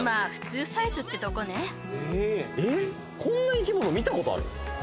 まあえっこんな生き物見たことある？